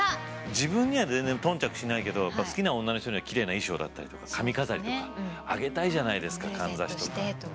自分には全然頓着しないけどやっぱ好きな女の人にはきれいな衣装だったりとか髪飾りとかあげたいじゃないですかかんざしとか。